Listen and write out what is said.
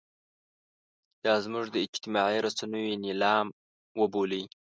دا زموږ د اجتماعي رسنیو نیلام وبولئ.